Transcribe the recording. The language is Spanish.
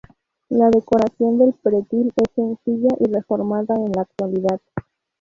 La decoración del pretil es sencilla y reformada en la actualidad.